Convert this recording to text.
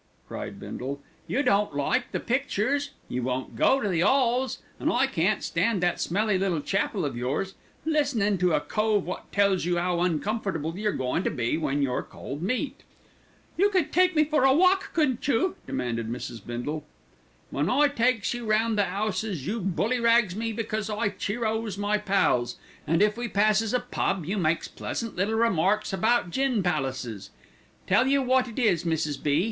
cried Bindle. "You don't like the pictures, you won't go to the 'alls, and I can't stand that smelly little chapel of yours, listenin' to a cove wot tells you 'ow uncomfortable you're goin' to be when you're cold meat." "You could take me for a walk, couldn't you?" demanded Mrs. Bindle. "When I takes you round the 'ouses, you bully rags me because I cheer o's my pals, and if we passes a pub you makes pleasant little remarks about gin palaces. Tell you wot it is, Mrs. B.